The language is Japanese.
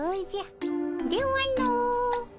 ではの。